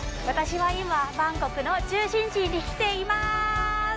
私は今、バンコクの中心地に来ています！